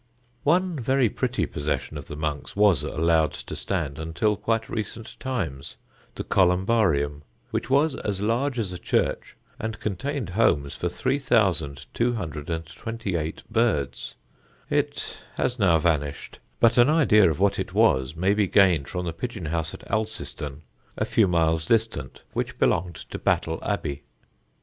One very pretty possession of the monks was allowed to stand until quite recent times the Columbarium, which was as large as a church and contained homes for 3,228 birds. It has now vanished; but an idea of what it was may be gained from the pigeon house at Alciston, a few miles distant, which belonged to Battle Abbey.